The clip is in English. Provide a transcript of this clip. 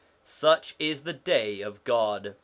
Such is the day of God.